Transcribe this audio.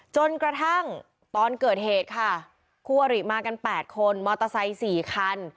จนกระทั่งตอนเกิดเหตุค่ะคู่อริมากัน๘คนมอเตอร์ไซค์๔คัน